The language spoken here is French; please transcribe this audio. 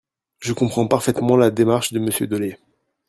Je comprends parfaitement la démarche de Monsieur Dolez.